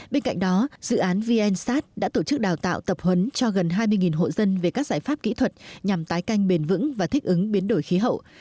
bên cạnh đó dự án vnsat đã tổ chức đào tạo tập huấn cho gần hai mươi hộ dân về các giải pháp kỹ thuật nhằm tái canh bền vững và thích ứng biến đổi khí hậu